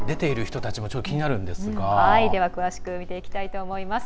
詳しく見ていきたいと思います。